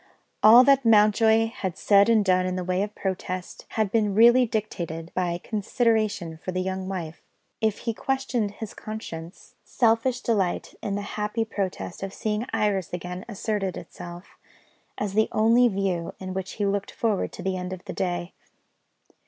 All that Mountjoy had said and done in the way of protest, had been really dictated by consideration for the young wife. If he questioned his conscience, selfish delight in the happy prospect of seeing Iris again asserted itself, as the only view with which he looked forward to the end of the day.